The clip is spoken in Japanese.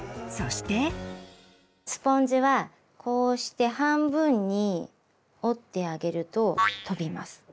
スポンジはこうして半分に折ってあげると飛びます。